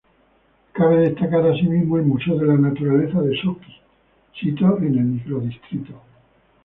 Cabe destacar asimismo el Museo de la Naturaleza de Sochi, sito en el microdistrito.